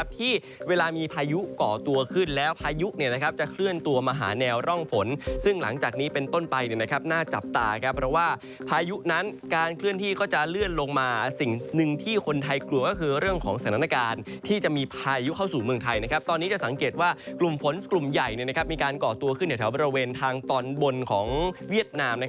ที่เวลามีพายุก่อตัวขึ้นแล้วพายุจะเคลื่อนตัวมาหาแนวร่องฝนซึ่งหลังจากนี้เป็นต้นไปน่าจับตาเพราะว่าพายุนั้นการเคลื่อนที่ก็จะเลื่อนลงมาสิ่งหนึ่งที่คนไทยกลัวก็คือเรื่องของสถานการณ์ที่จะมีพายุเข้าสู่เมืองไทยตอนนี้จะสังเกตว่ากลุ่มฝนกลุ่มใหญ่มีการก่อตัวขึ้นแถวบริเวณทางตอนบนของเวียดนาม